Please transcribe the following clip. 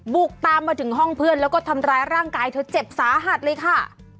บุกตามมาถึงห้องเพื่อนแล้วก็ทำร้ายร่างกายเธอเจ็บสาหัสเลยค่ะ